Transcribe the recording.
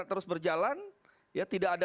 terus berjalan ya tidak ada